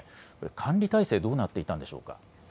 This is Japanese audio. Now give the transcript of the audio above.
管理体制、どうなっていたんでしょうか。